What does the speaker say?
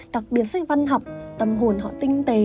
đặc biệt sách văn học tâm hồn họ tinh tế